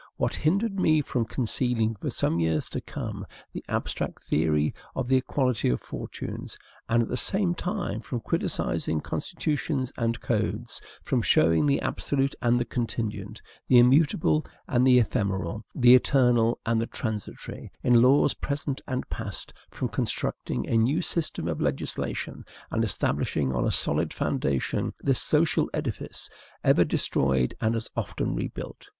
What hindered me from concealing, for some years to come, the abstract theory of the equality of fortunes, and, at the same time, from criticising constitutions and codes; from showing the absolute and the contingent, the immutable and the ephemeral, the eternal and the transitory, in laws present and past; from constructing a new system of legislation, and establishing on a solid foundation this social edifice, ever destroyed and as often rebuilt?